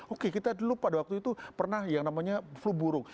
oke kita dulu pada waktu itu pernah yang namanya flu burung